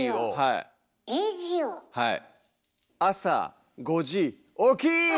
はい。